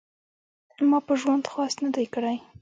ما په ژوند خواست نه دی کړی .